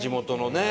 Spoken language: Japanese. ねえ。